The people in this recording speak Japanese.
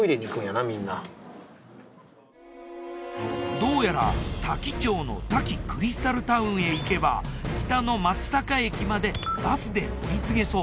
どうやら多気町の多気クリスタルタウンへ行けば北の松阪駅までバスで乗り継げそう。